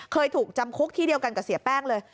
เคยถูกจำคุกที่เดียวกันกับเสียแป้งเลย